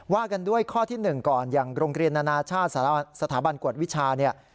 กันด้วยข้อที่๑ก่อนอย่างโรงเรียนนานาชาติสถาบันกวดวิชาเนี่ย